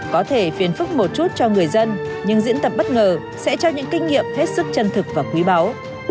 có thể phiến phức một chút cho người dân nhưng diễn tập bất ngờ sẽ cho những kinh nghiệm hết sức chân thực và quý báu